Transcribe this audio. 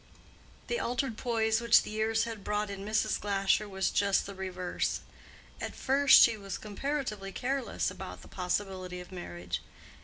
The altered poise which the years had brought in Mrs. Glasher was just the reverse. At first she was comparatively careless about the possibility of marriage.